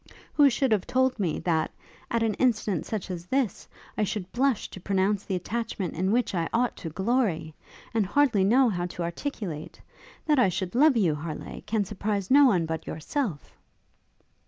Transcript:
Who should have told me, that, at an instant such as this, I should blush to pronounce the attachment in which I ought to glory? and hardly know how to articulate.... That I should love you, Harleigh, can surprise no one but yourself!'